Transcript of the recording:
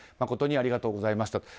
誠にありがとうございました。